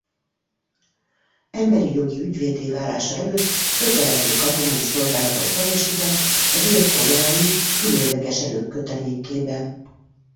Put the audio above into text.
Emberi jogi ügyvéddé válása előtt kötelező katonai szolgálatot teljesített a dél-koreai különleges erők kötelékében.